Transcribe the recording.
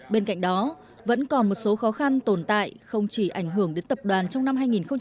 bên cạnh đó vẫn còn một số khó khăn tồn tại không chỉ ảnh hưởng đến tập đoàn trong năm hai nghìn một mươi tám